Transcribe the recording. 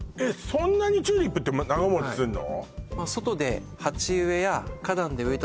そんなにチューリップって長持ちするの？